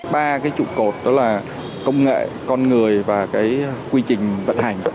ba cái trụ cột đó là công nghệ con người và cái quy trình vận hành